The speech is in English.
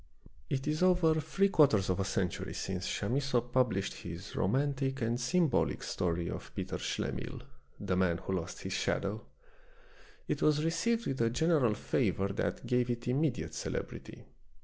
It is over three quarters of a century since Chamisso published his romantic and symbolic story of Peter Schlemihl, the man who lost his shadow. It was received with a general favor that gave it immediate celebrity.